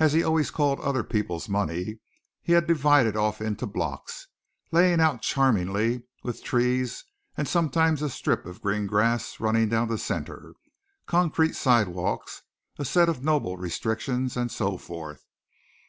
as he always called other people's money he had divided off into blocks, laying out charmingly with trees and sometimes a strip of green grass running down the centre, concrete sidewalks, a set of noble restrictions, and so forth.